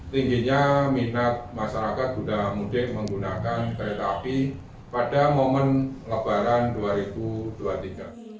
tingginya minat masyarakat sudah mudik menggunakan kereta api pada momen lebaran dua ribu dua puluh tiga